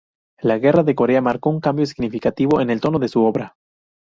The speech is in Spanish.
La Guerra de Corea marcó un cambio significativo en el tono de su obra.